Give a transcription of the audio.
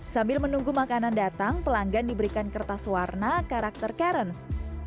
sambil menunggu makanan datang pelanggan diberikan kertas warna karakter karens